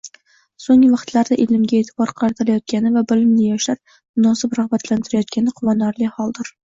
Soʻnggi vaqtlarda ilmga eʼtibor qaratilayotgani va bilimli yoshlar munosib ragʻbatlantirilayotgani quvonarli holdir.